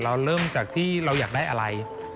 เริ่มจากที่เราอยากได้อะไร